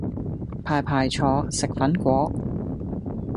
排排坐，食粉果